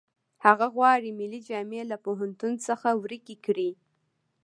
هغه غواړي ملي جامې له پوهنتون څخه ورکې کړي